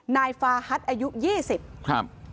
ฟาฮัทอายุ๒๐ครับ